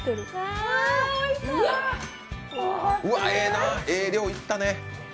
ええな、ええ量いったね。